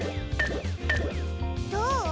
どう？